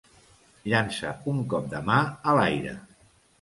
Llança un cop de mà a l'aire.